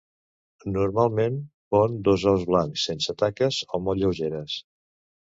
Normalment pon dos ous blancs, sense taques o molt lleugeres.